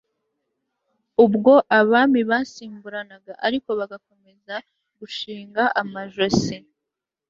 ubwo abami basimburanaga ariko bagakomeza gushinga amajosi